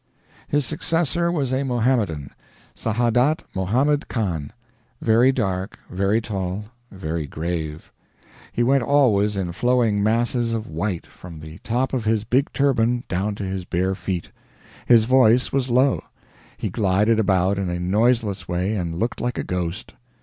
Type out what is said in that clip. His successor was a Mohammedan, Sahadat Mohammed Khan; very dark, very tall, very grave. He went always in flowing masses of white, from the top of his big turban down to his bare feet. His voice was low. He glided about in a noiseless way, and looked like a ghost.